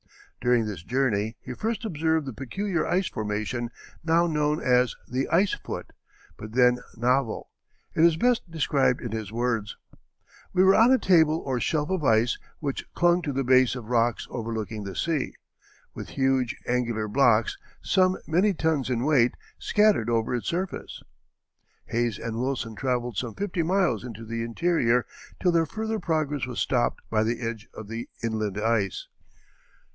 During this journey he first observed the peculiar ice formation now known as the ice foot, but then novel. It is best described in his words: "We were on a table or shelf of ice which clung to the base of rocks overlooking the sea, ... with huge angular blocks, some many tons in weight, scattered over its surface." Hayes and Wilson travelled some fifty miles into the interior till their further progress was stopped by the edge of the inland ice.